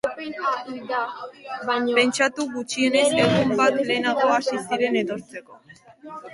Pentsatu gutxienez egun bat lehenago hasi zinen etortzeko.